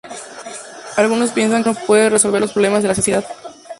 Algunos piensan que el gobierno puede resolver los problemas de la sociedad.